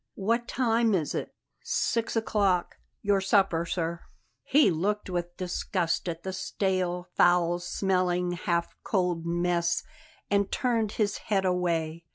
"What time is it?" "Six o'clock. Your supper, sir." He looked with disgust at the stale, foul smelling, half cold mess, and turned his head away.